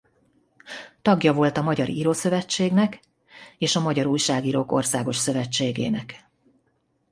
Tagja volt a Magyar Írószövetségnek és a Magyar Újságírók Országos Szövetségének.